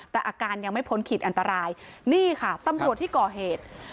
แต่อาการยังไม่พ้นขีดอันตรายนี่ค่ะตำรวจที่ก่อเหตุ